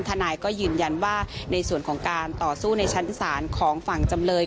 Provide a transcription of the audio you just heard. นายก็ยืนยันว่าในส่วนของการต่อสู้ในชั้นศาลของฝั่งจำเลย